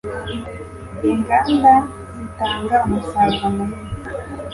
Inganda zitanga umusaruro munini.